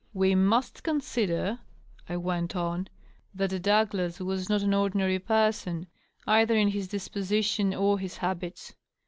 " We must consider," I went on, " that Douglas was not an ordinary person, either in his disposition or his habits.